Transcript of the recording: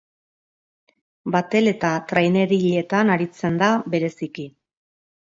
Batel eta trainerilletan aritzen da bereziki.